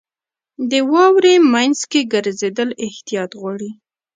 • د واورې مینځ کې ګرځېدل احتیاط غواړي.